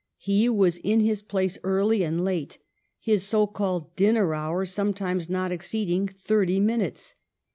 He was in his place early and late, his so called 'dinner hour' sometimes not ex ceeding thirty minutes.